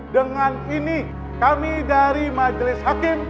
dengan ini kami dari majelis hakim